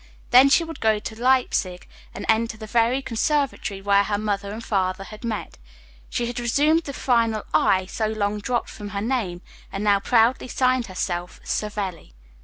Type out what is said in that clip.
Then she would go to Leipsig and enter the very conservatory where her mother and father had met. She had resumed the final "i" so long dropped from her name, and now proudly signed herself Savelli.